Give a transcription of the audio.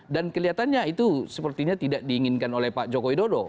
dan kelihatannya itu sepertinya tidak diinginkan oleh pak jokowi dodo